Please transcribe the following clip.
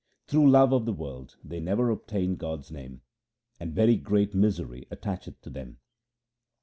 Through love of the world they never obtain God's name, and very great misery attacheth to them.